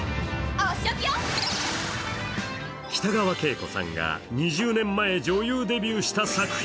北川景子さんが２０年前女優デビューした作品。